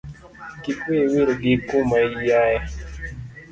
Kik wiyi wil gi kuma iaye.